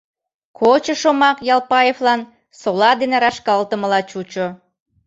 Кочо шомак Ялпаевлан сола дене рашкалтымыла чучо.